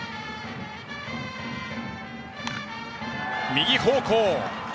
右方向！